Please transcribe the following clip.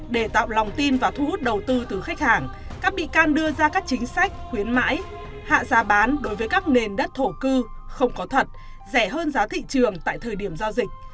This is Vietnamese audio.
để tạo lòng tin và thu hút đầu tư từ khách hàng các bị can đưa ra các chính sách khuyến mãi hạ giá bán đối với các nền đất thổ cư không có thật rẻ hơn giá thị trường tại thời điểm giao dịch